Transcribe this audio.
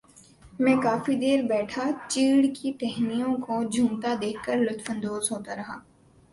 میں کافی دیر بیٹھا چیڑ کی ٹہنیوں کو جھومتا دیکھ کر لطف اندوز ہوتا رہا